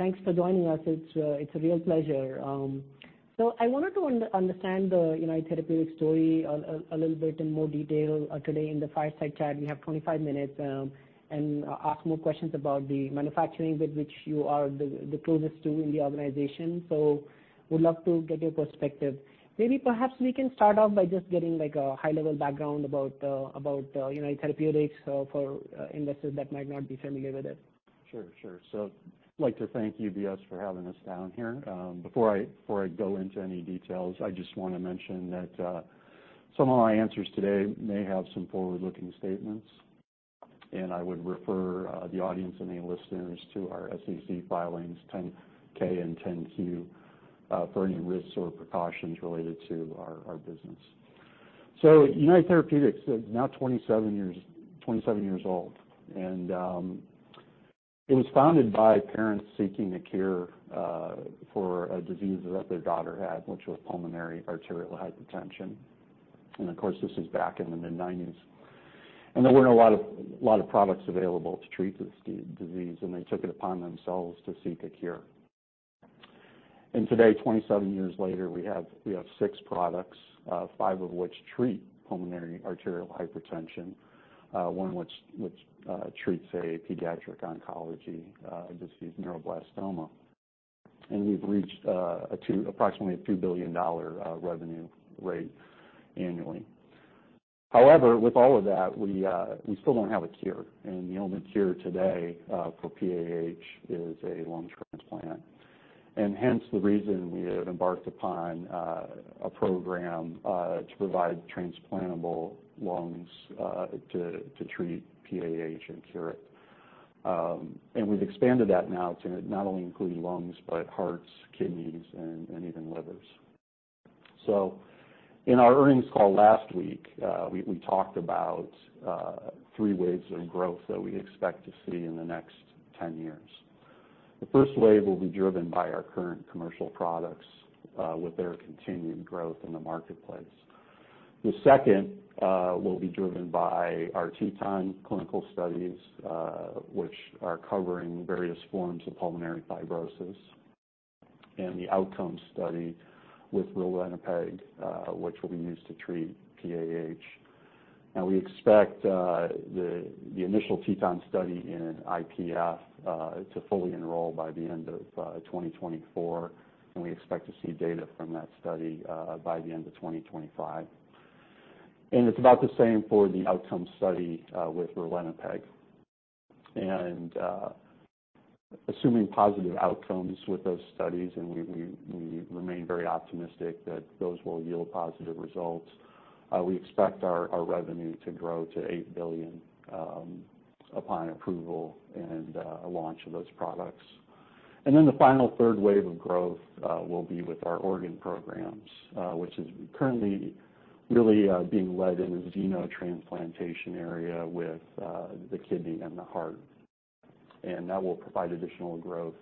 Thanks for joining us. It's a real pleasure. So I wanted to understand the United Therapeutics story a little bit in more detail today in the fireside chat. We have 25 minutes, and ask more questions about the manufacturing with which you are the closest to in the organization. So would love to get your perspective. Maybe perhaps we can start off by just getting, like, a high-level background about United Therapeutics for investors that might not be familiar with it. Sure, sure. So I'd like to thank UBS for having us down here. Before I go into any details, I just want to mention that some of my answers today may have some forward-looking statements, and I would refer the audience and any listeners to our SEC filings, 10-K, and 10-Q, for any risks or precautions related to our business. So United Therapeutics is now 27 years, 27 years old, and it was founded by parents seeking a cure for a disease that their daughter had, which was Pulmonary Arterial Hypertension. And of course, this is back in the mid-1990s. And there weren't a lot of products available to treat this disease, and they took it upon themselves to seek a cure. Today, 27 years later, we have six products, five of which treat Pulmonary Arterial Hypertension, one of which treats a pediatric oncology disease, neuroblastoma. We've reached approximately a $2 billion revenue rate annually. However, with all of that, we still don't have a cure, and the only cure today for PAH is a lung transplant. Hence, the reason we have embarked upon a program to provide transplantable lungs to treat PAH and cure it. We've expanded that now to not only include lungs, but hearts, kidneys, and even livers. In our earnings call last week, we talked about three waves of growth that we expect to see in the next 10 years. The first wave will be driven by our current commercial products, with their continuing growth in the marketplace. The second will be driven by our TETON clinical studies, which are covering various forms of pulmonary fibrosis, and the outcome study with ralinepag, which will be used to treat PAH. Now, we expect the initial TETON study in IPF to fully enroll by the end of 2024, and we expect to see data from that study by the end of 2025. It's about the same for the outcome study with ralinepag. Assuming positive outcomes with those studies, and we remain very optimistic that those will yield positive results, we expect our revenue to grow to $8 billion upon approval and a launch of those products. Then the final third wave of growth will be with our organ programs, which is currently really being led in the xenotransplantation area with the kidney and the heart. That will provide additional growth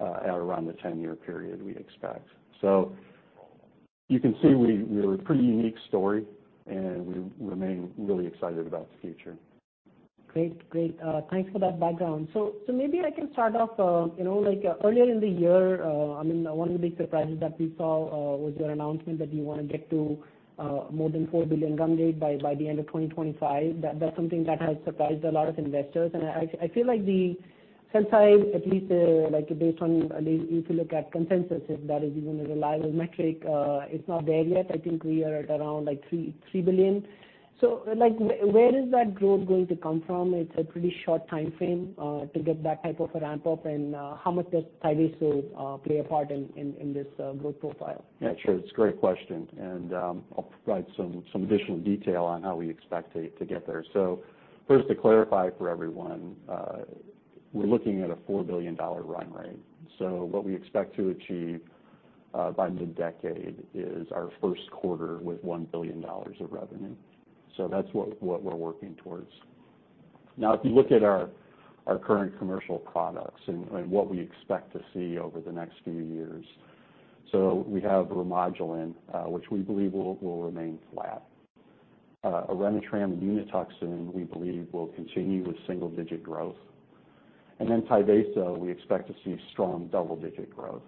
at around the 10-year period, we expect. You can see we're a pretty unique story, and we remain really excited about the future. Great. Great, thanks for that background. So maybe I can start off, you know, like earlier in the year, I mean, one of the big surprises that we saw was your announcement that you want to get to more than $4 billion run rate by the end of 2025. That's something that has surprised a lot of investors, and I feel like the sell side, at least, like based on if you look at consensus, if that is even a reliable metric, it's not there yet. I think we are at around, like $3.3 billion. So, like, where is that growth going to come from? It's a pretty short timeframe to get that type of a ramp-up, and how much does Tyvaso play a part in this growth profile? Yeah, sure. It's a great question, and I'll provide some additional detail on how we expect to get there. So first, to clarify for everyone, we're looking at a $4 billion run rate. So what we expect to achieve by mid-decade is our first quarter with $1 billion of revenue. So that's what we're working towards. Now, if you look at our current commercial products and what we expect to see over the next few years, so we have Remodulin, which we believe will remain flat. Orenitram and Unituxin, we believe will continue with single-digit growth. And then Tyvaso, we expect to see strong double-digit growth.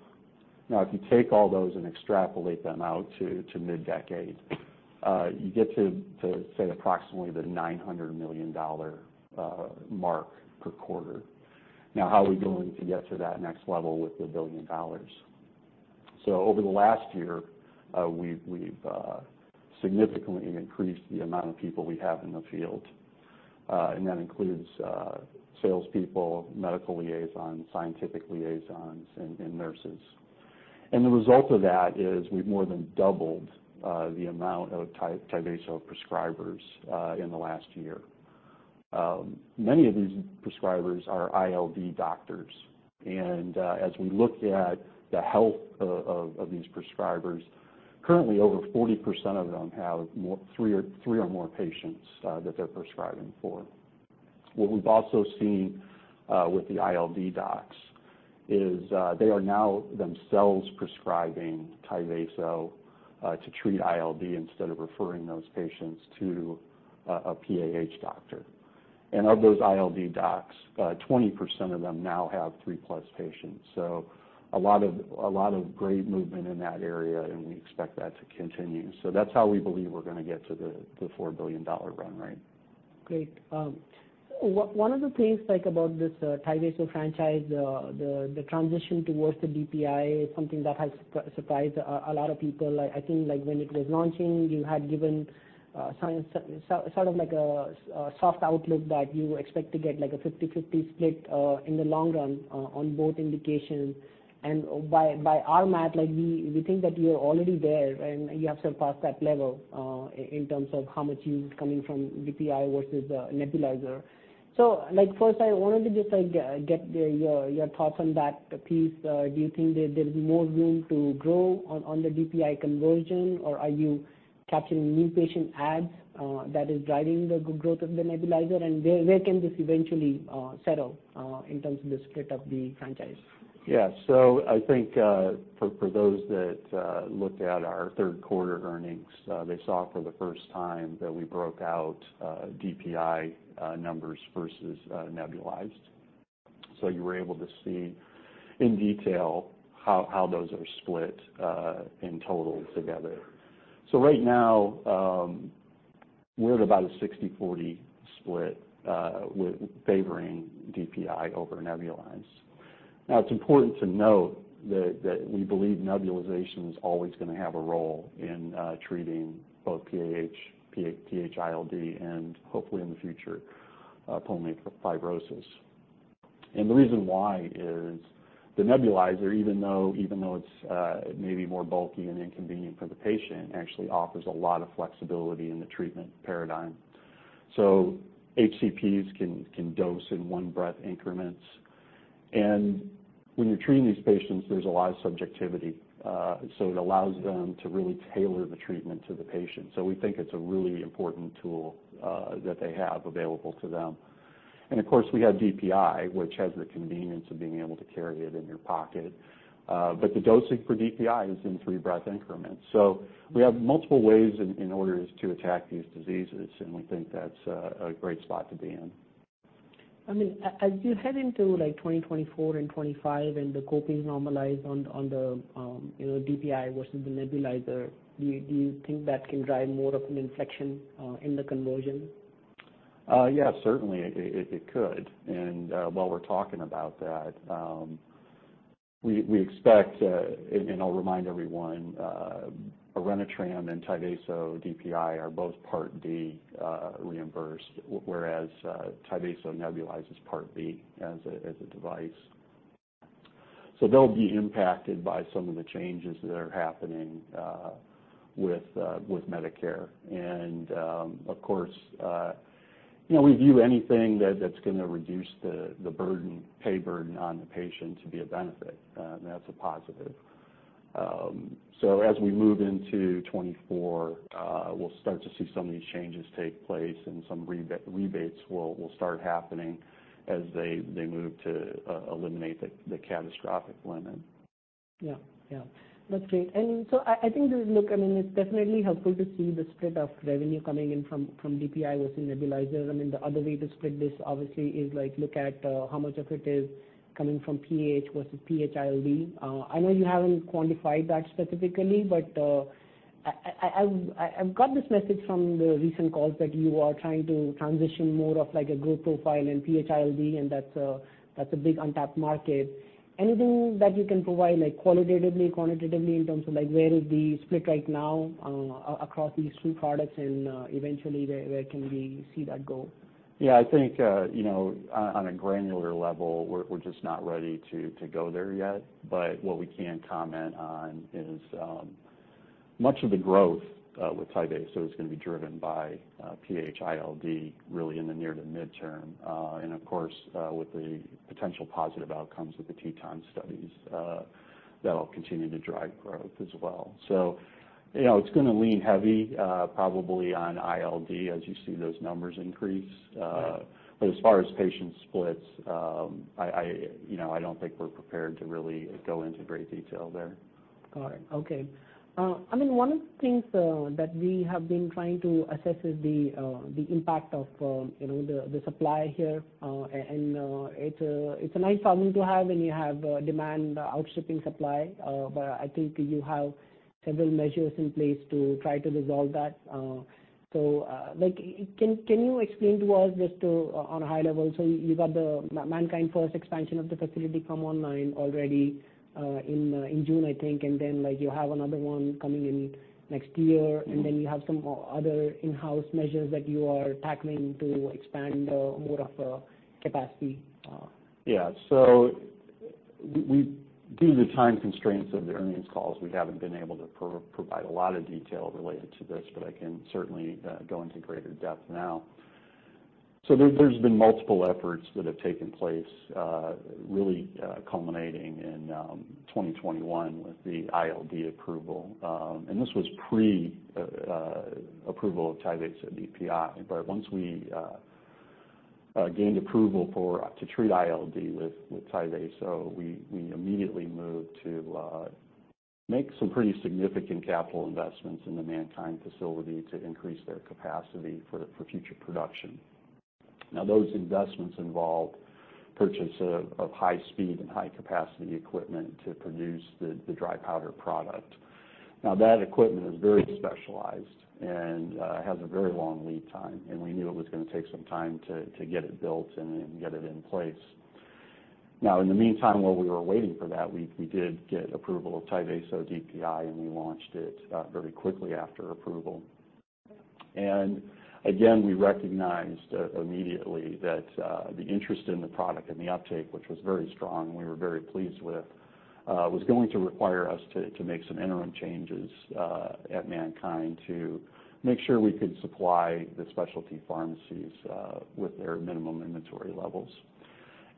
Now, if you take all those and extrapolate them out to mid-decade, you get to, say, approximately the $900 million mark per quarter. Now, how are we going to get to that next level with $1 billion? So over the last year, we've significantly increased the amount of people we have in the field, and that includes salespeople, medical liaisons, scientific liaisons, and nurses. And the result of that is we've more than doubled the amount of Tyvaso prescribers in the last year. Many of these prescribers are ILD doctors, and as we look at the health of these prescribers, currently over 40% of them have three or more patients that they're prescribing for. What we've also seen with the ILD docs is they are now themselves prescribing Tyvaso to treat ILD instead of referring those patients to a PAH doctor. Of those ILD docs, 20% of them now have three-plus patients. So a lot of, a lot of great movement in that area, and we expect that to continue. So that's how we believe we're gonna get to the $4 billion run rate. Great. One of the things, like, about this Tyvaso franchise, the transition towards the DPI is something that has surprised a lot of people. I think, like, when it was launching, you had given guidance sort of like a soft outlook that you expect to get, like, a 50/50 split in the long run on both indications. And by our math, like, we think that you're already there, and you have surpassed that level in terms of how much use is coming from DPI versus nebulizer. So, like, first, I wanted to just, like, get your thoughts on that piece. Do you think that there is more room to grow on the DPI conversion, or are you capturing new patient adds that is driving the good growth of the nebulizer? Where, where can this eventually settle in terms of the split of the franchise? Yeah. So I think, for those that looked at our third quarter earnings, they saw for the first time that we broke out DPI numbers versus nebulized. So you were able to see in detail how those are split in total together. So right now, we're at about a 60/40 split, with favoring DPI over nebulized. Now, it's important to note that we believe nebulization is always gonna have a role in treating both PAH, PH-ILD, and hopefully, in the future, pulmonary fibrosis. And the reason why is the nebulizer, even though it's more bulky and inconvenient for the patient, actually offers a lot of flexibility in the treatment paradigm. So HCPs can dose in one breath increments. When you're treating these patients, there's a lot of subjectivity. So it allows them to really tailor the treatment to the patient. We think it's a really important tool that they have available to them. And of course, we have DPI, which has the convenience of being able to carry it in your pocket. But the dosing for DPI is in three breath increments. We have multiple ways in order to attack these diseases, and we think that's a great spot to be in. I mean, as you head into, like, 2024 and 2025, and the co-pays normalize on, on the, you know, DPI versus the nebulizer, do you, do you think that can drive more of an inflection, in the conversion? Yeah, certainly, it could. And while we're talking about that, we expect... And I'll remind everyone, Orenitram and Tyvaso DPI are both Part D reimbursed, whereas Tyvaso nebulized is Part B as a device. So they'll be impacted by some of the changes that are happening with Medicare. And of course, you know, we view anything that's gonna reduce the burden, pay burden on the patient to be a benefit, and that's a positive. So as we move into 2024, we'll start to see some of these changes take place, and some rebates will start happening as they move to eliminate the catastrophic limit. Yeah. Yeah, that's great. And so I think this, look, I mean, it's definitely helpful to see the split of revenue coming in from DPI versus nebulizers. I mean, the other way to split this, obviously, is like, look at how much of it is coming from PAH versus PH-ILD. I know you haven't quantified that specifically, but I’ve got this message from the recent calls that you are trying to transition more of, like, a growth profile in PH-ILD, and that's a big untapped market. Anything that you can provide, like, qualitatively, quantitatively, in terms of, like, where is the split right now across these two products, and eventually, where can we see that go? Yeah, I think, you know, on a granular level, we're just not ready to go there yet. But what we can comment on is much of the growth with Tyvaso is gonna be driven by PH-ILD, really in the near to midterm. And of course, with the potential positive outcomes of the TETON studies, that'll continue to drive growth as well. So, you know, it's gonna lean heavy probably on ILD, as you see those numbers increase. But as far as patient splits, I you know, I don't think we're prepared to really go into great detail there. Got it. Okay. I mean, one of the things that we have been trying to assess is the impact of, you know, the supply here. And it's a nice problem to have when you have demand outstripping supply. But I think you have several measures in place to try to resolve that. So, like, can you explain to us just on a high level, so you got the MannKind first expansion of the facility come online already in June, I think, and then, like, you have another one coming in next year. Mm-hmm. And then you have some other in-house measures that you are tackling to expand more of capacity? Yeah. So we, due to the time constraints of the earnings calls, we haven't been able to provide a lot of detail related to this, but I can certainly go into greater depth now. So there's been multiple efforts that have taken place, really, culminating in 2021 with the ILD approval. And this was pre-approval of Tyvaso DPI. But once we gained approval to treat ILD with Tyvaso, we immediately moved to make some pretty significant capital investments in the MannKind facility to increase their capacity for future production. Now, those investments involved purchase of high speed and high capacity equipment to produce the dry powder product. Now, that equipment is very specialized and has a very long lead time, and we knew it was gonna take some time to get it built and get it in place. Now, in the meantime, while we were waiting for that, we did get approval of Tyvaso DPI, and we launched it very quickly after approval. And again, we recognized immediately that the interest in the product and the uptake, which was very strong, we were very pleased with, was going to require us to make some interim changes at MannKind to make sure we could supply the specialty pharmacies with their minimum inventory levels.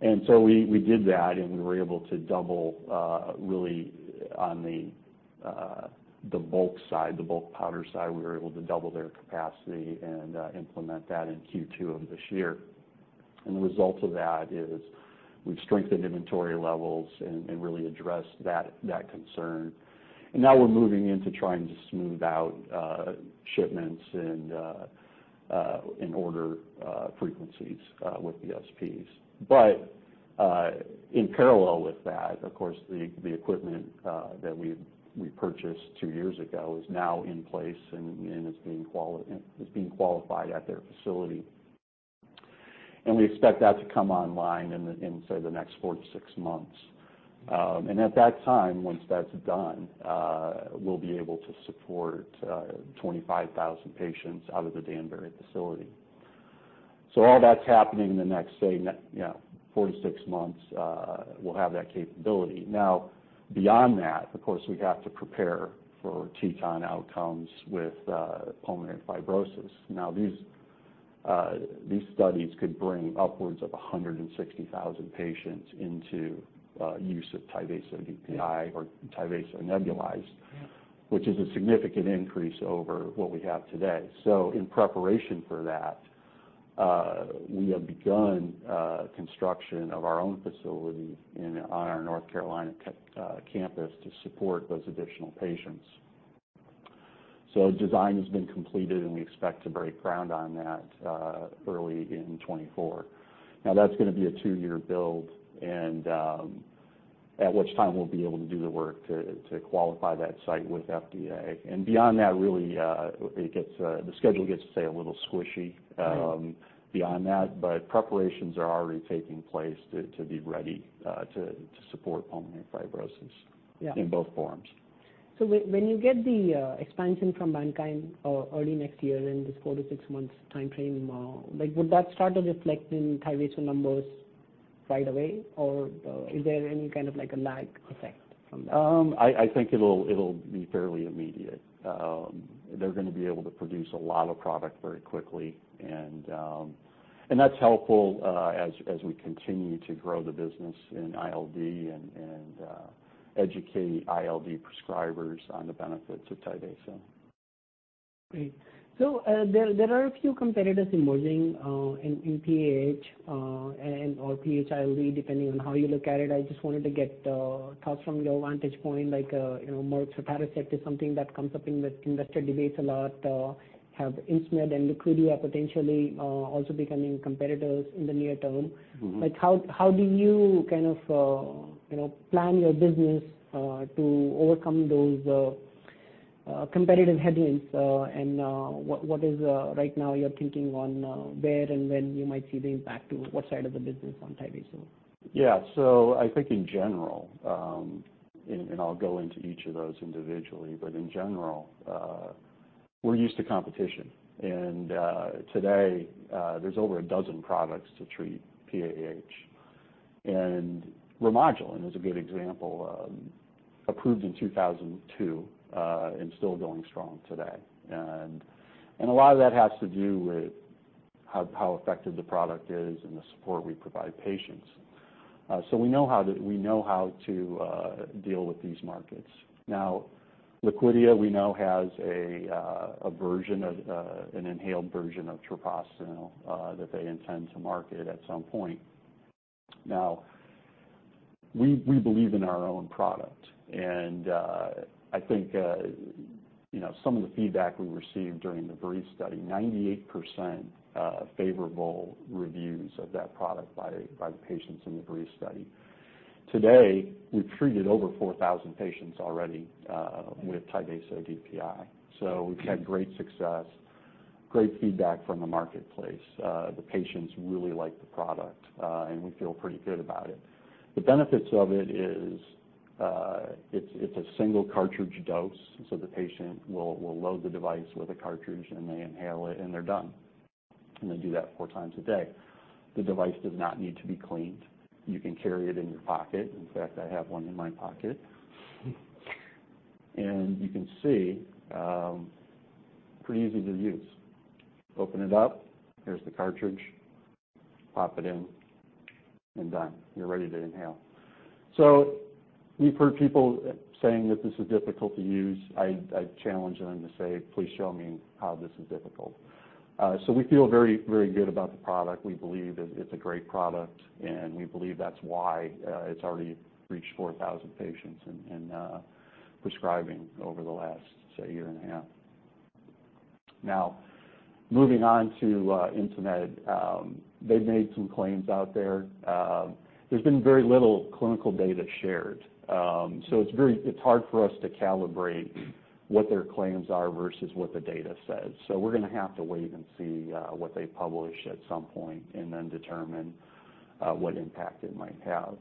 And so we did that, and we were able to double really on the bulk side, the bulk powder side, we were able to double their capacity and implement that in Q2 of this year. And the result of that is we've strengthened inventory levels and really addressed that concern. And now we're moving into trying to smooth out shipments and order frequencies with the SPs. But in parallel with that, of course, the equipment that we purchased 2 years ago is now in place and is being qualified at their facility. And we expect that to come online in, say, the next four-six months. At that time, once that's done, we'll be able to support 25,000 patients out of the Danbury facility. So all that's happening in the next, say, 4-6 months, we'll have that capability. Now, beyond that, of course, we have to prepare for TETON outcomes with pulmonary fibrosis. Now, these studies could bring upwards of 160,000 patients into use of Tyvaso DPI or Tyvaso nebulized, which is a significant increase over what we have today. So in preparation for that, we have begun construction of our own facility in, on our North Carolina campus to support those additional patients. So design has been completed, and we expect to break ground on that early in 2024. Now, that's gonna be a two-year build, and at which time we'll be able to do the work to qualify that site with FDA. And beyond that, really, it gets the schedule gets to say a little squishy beyond that. But preparations are already taking place to be ready to support pulmonary fibrosis- Yeah. in both forms. When you get the expansion from MannKind early next year in this 4-6 months time frame, like, would that start to reflect in Tyvaso numbers right away, or is there any kind of like a lag effect from that? I think it'll be fairly immediate. They're gonna be able to produce a lot of product very quickly, and that's helpful as we continue to grow the business in ILD and educate ILD prescribers on the benefits of Tyvaso. Great. So, there are a few competitors emerging in PAH and/or PAH-ILD, depending on how you look at it. I just wanted to get thoughts from your vantage point, like, you know, more treprostinil is something that comes up in the investor debates a lot. Have Insmed and Liquidia potentially also becoming competitors in the near term. Mm-hmm. Like, how, how do you kind of, you know, plan your business to overcome those competitive headwinds? And what, what is right now you're thinking on where and when you might see the impact to what side of the business on Tyvaso? Yeah. So I think in general, I'll go into each of those individually. But in general, we're used to competition. And today, there's over a dozen products to treat PAH, and Remodulin is a good example, approved in 2002, and still going strong today. And a lot of that has to do with how effective the product is and the support we provide patients. So we know how to deal with these markets. Now, Liquidia, we know, has a version of an inhaled version of treprostinil that they intend to market at some point. Now, we believe in our own product, and I think, you know, some of the feedback we received during the BREEZE study, 98% favorable reviews of that product by the patients in the BREEZE study. Today, we've treated over 4,000 patients already with Tyvaso DPI. So we've had great success, great feedback from the marketplace. The patients really like the product, and we feel pretty good about it. The benefits of it is it's a single cartridge dose, so the patient will load the device with a cartridge, and they inhale it, and they're done. And they do that four times a day. The device does not need to be cleaned. You can carry it in your pocket. In fact, I have one in my pocket. And you can see pretty easy to use. Open it up, here's the cartridge, pop it in... and done. You're ready to inhale. So we've heard people saying that this is difficult to use. I, I challenge them to say, Please show me how this is difficult. So we feel very, very good about the product. We believe it, it's a great product, and we believe that's why it's already reached 4,000 patients in prescribing over the last, say, year and a half. Now, moving on to Insmed, they've made some claims out there. There's been very little clinical data shared. So it's very, it's hard for us to calibrate what their claims are versus what the data says. So we're gonna have to wait and see what they publish at some point, and then determine what impact it might have.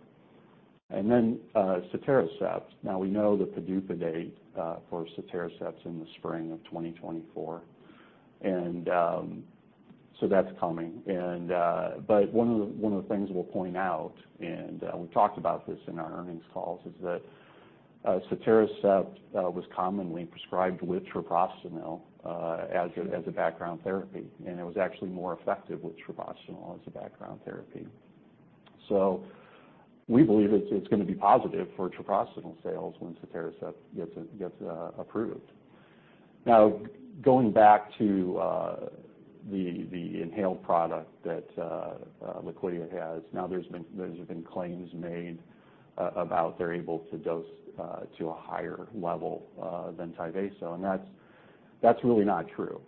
And then Sotatercept. Now, we know the PDUFA date for Sotatercept is in the spring of 2024. And so that's coming. And but one of the things we'll point out, and we talked about this in our earnings calls, is that Sotatercept was commonly prescribed with treprostinil as a background therapy, and it was actually more effective with treprostinil as a background therapy. So we believe it's gonna be positive for treprostinil sales once Sotatercept gets approved. Now, going back to the inhaled product that Liquidia has. Now, there's been claims made about they're able to dose to a higher level than Tyvaso, and that's really not true.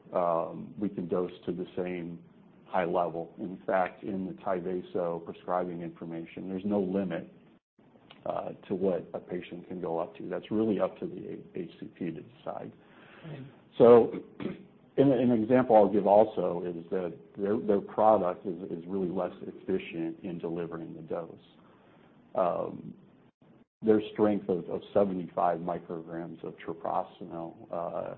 We can dose to the same high level. In fact, in the Tyvaso prescribing information, there's no limit to what a patient can go up to. That's really up to the HCP to decide. So an example I'll give also is that their product is really less efficient in delivering the dose. Their strength of 75 mcg of treprostinil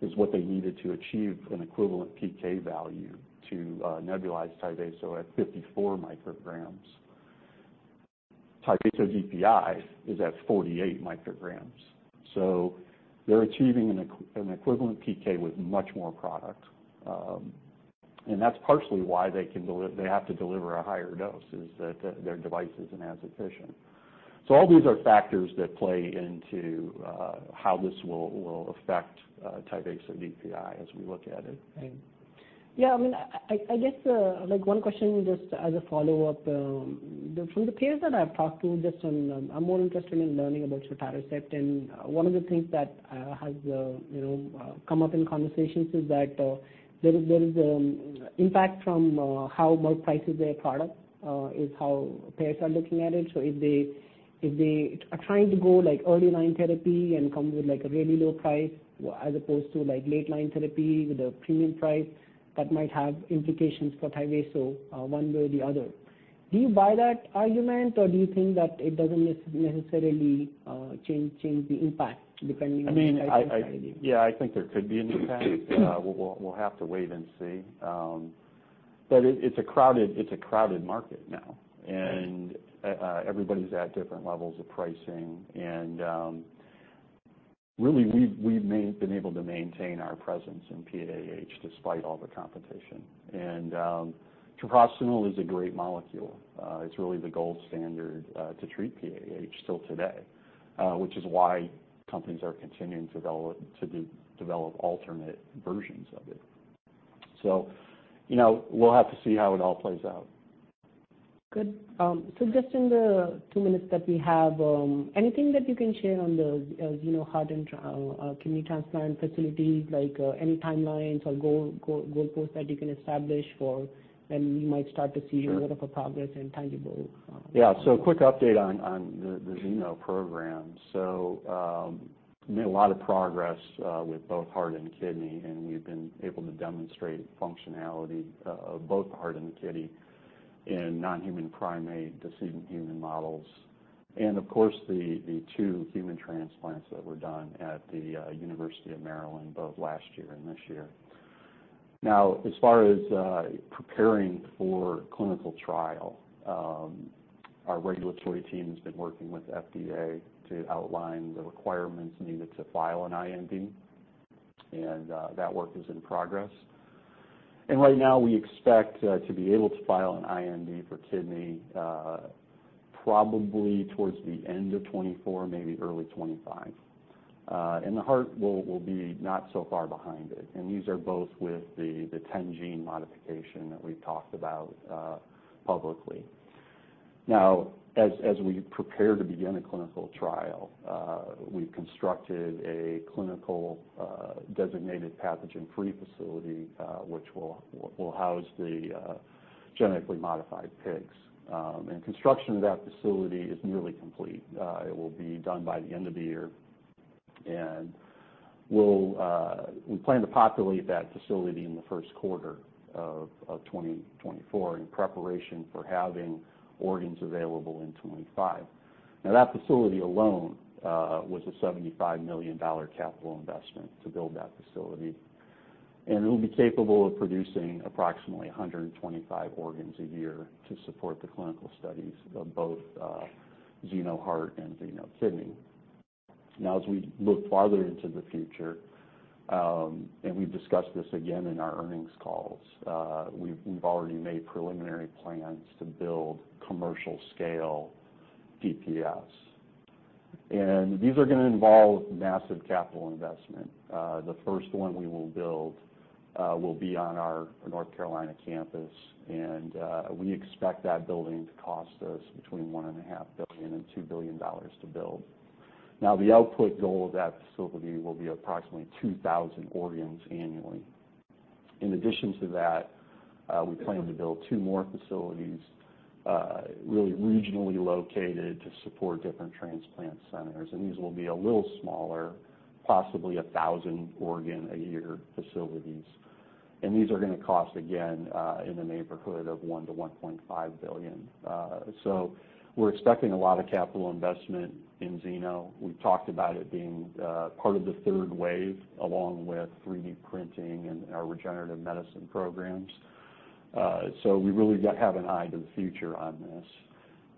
is what they needed to achieve an equivalent PK value to nebulized Tyvaso at 54 mcg. Tyvaso DPI is at 48 mcg, so they're achieving an equivalent PK with much more product. And that's partially why they have to deliver a higher dose, is that their device isn't as efficient. So all these are factors that play into how this will affect Tyvaso DPI as we look at it. Right. Yeah, I mean, I guess, like, one question, just as a follow-up. From the peers that I've talked to, just on, I'm more interested in learning about Sotatercept, and one of the things that has, you know, come up in conversations is that there is impact from how much prices their product is how peers are looking at it. So if they are trying to go, like, early line therapy and come with, like, a really low price, as opposed to, like, late line therapy with a premium price, that might have implications for Tyvaso, one way or the other. Do you buy that argument, or do you think that it doesn't necessarily change the impact depending on the pricing strategy? I mean, yeah, I think there could be an impact. We'll have to wait and see. But it's a crowded market now, and everybody's at different levels of pricing. Really, we've been able to maintain our presence in PAH despite all the competition. Treprostinil is a great molecule. It's really the gold standard to treat PAH still today, which is why companies are continuing to develop alternate versions of it. So, you know, we'll have to see how it all plays out. Good. So just in the two minutes that we have, anything that you can share on the, as you know, heart and kidney transplant facilities, like any timelines or goalposts that you can establish for when we might start to see a lot of progress and tangible? Yeah. So a quick update on the xeno program. So, made a lot of progress with both heart and kidney, and we've been able to demonstrate functionality of both the heart and the kidney in non-human primate decedent human models, and of course, the two human transplants that were done at the University of Maryland, both last year and this year. Now, as far as preparing for clinical trial, our regulatory team has been working with FDA to outline the requirements needed to file an IND, and that work is in progress. Right now, we expect to be able to file an IND for kidney, probably towards the end of 2024, maybe early 2025. And the heart will be not so far behind it, and these are both with the 10-gene modification that we've talked about publicly. Now, as we prepare to begin a clinical trial, we've constructed a clinical designated pathogen-free facility, which will house the genetically modified pigs. And construction of that facility is nearly complete. It will be done by the end of the year, and we plan to populate that facility in the first quarter of 2024, in preparation for having organs available in 2025. Now, that facility alone was a $75 million capital investment to build that facility, and it'll be capable of producing approximately 125 organs a year to support the clinical studies of both xeno heart and xeno kidney. Now, as we look farther into the future, and we've discussed this again in our earnings calls, we've already made preliminary plans to build commercial scale DPS. And these are gonna involve massive capital investment. The first one we will build will be on our North Carolina campus, and we expect that building to cost us between $1.5 billion and $2 billion to build. Now, the output goal of that facility will be approximately 2,000 organs annually. In addition to that, we plan to build two more facilities, really regionally located to support different transplant centers, and these will be a little smaller, possibly 1,000 organ a year facilities. And these are gonna cost, again, in the neighborhood of $1-$1.5 billion. So we're expecting a lot of capital investment in xeno. We've talked about it being part of the third wave, along with 3D printing and our regenerative medicine programs. So we really do have an eye to the future on this,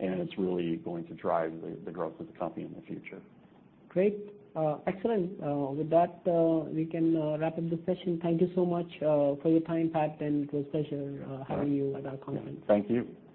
and it's really going to drive the growth of the company in the future. Great. Excellent. With that, we can wrap up the session. Thank you so much for your time, Pat, and it was a pleasure having you at our conference. Thank you. Yeah.